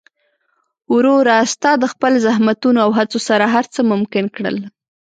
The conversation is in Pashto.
وروره! ستا د خپل زحمتونو او هڅو سره هر څه ممکن کړل.